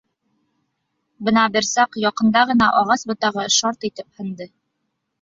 Бына бер саҡ яҡында ғына ағас ботағы шарт итеп һынды.